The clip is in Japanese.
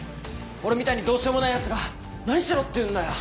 俺みたいにどうしようもないやつが何しろっていうんだよ。